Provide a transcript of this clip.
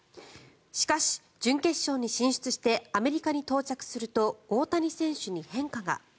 しかし、準決勝に進出してアメリカに到着すると大谷選手に変化が。